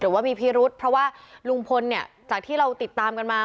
ว่ามีพิรุษเพราะว่าลุงพลเนี่ยจากที่เราติดตามกันมา